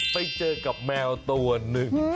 ไปเจอกับแมวตัวหนึ่ง